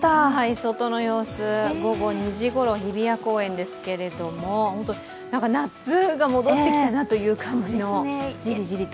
外の様子、午後２時頃、日比谷公園ですけれども夏が戻ってきたなという感じのジリジリと。